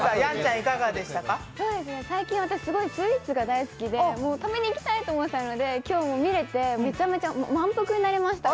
最近、私、スイーツが大好きで食べに行きたいと思ったので、今日見れてめちゃめちゃ満腹になりました。